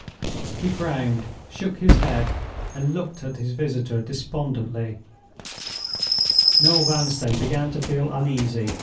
He frowned, shook his head, and looked at his visitor despondently. Noel Vanstone began to feel uneasy.